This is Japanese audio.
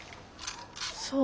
そう。